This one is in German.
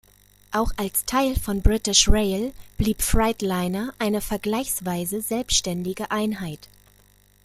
Auch als Teil von British Rail blieb Freightliner eine vergleichsweise selbständige Einheit.